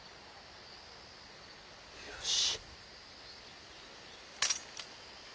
よし。